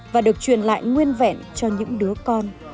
và được truyền lại nguyên vẹn cho những đứa con